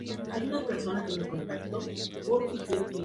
En el castillo se desarrollaron varias batallas.